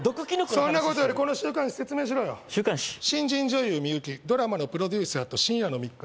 そんなことよりこの週刊誌説明しろよ「新人女優ミユキドラマのプロデューサーと深夜の密会」